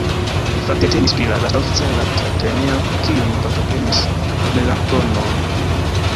Fakte temis pri la lasta oficiala akto altlerneja kiun partoprenis Melanktono mem.